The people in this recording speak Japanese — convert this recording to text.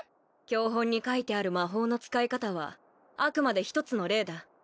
教本に書いてある魔法の使い方はあくまで一つの例だ